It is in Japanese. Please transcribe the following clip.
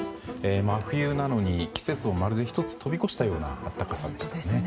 真冬なのに季節を１つ飛び越したような暖かさでしたね。